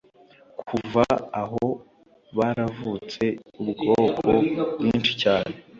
Kuva aho baravutse ubwoko bwinshi cyane